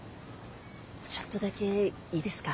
ちょっとだけいいですか？